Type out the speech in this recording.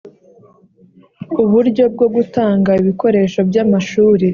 Uburyo bwo gutanga ibikoresho byamashuri